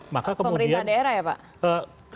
pemerintah daerah ya pak